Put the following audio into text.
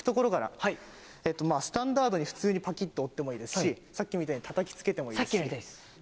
スタンダードに普通にパキって折ってもいいですしさっきみたいにたたきつけてもいいですし。